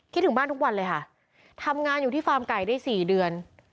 ถึงบ้านทุกวันเลยค่ะทำงานอยู่ที่ฟาร์มไก่ได้๔เดือน